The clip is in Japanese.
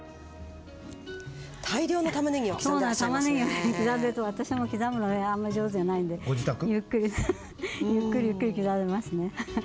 たまねぎね刻んでると私も刻むのねあんまり上手じゃないんでゆっくりゆっくり刻んでますね。